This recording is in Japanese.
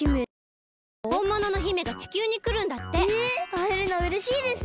あえるのうれしいですね。